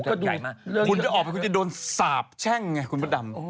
คุณจะออกไปคุณจะโดนสาบแช่งไงคุณพระดำ